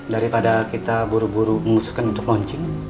daripada kita buru buru memutuskan untuk launching